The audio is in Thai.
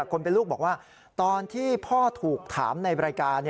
คนเป็นลูกบอกว่าตอนที่พ่อถูกถามในรายการ